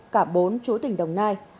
cả bốn chú tỉnh đồng nai